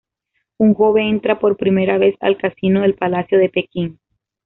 Un joven entra por primera vez al Casino del Palacio de Pekín.